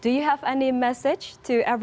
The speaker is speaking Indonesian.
untuk semua orang yang menonton ini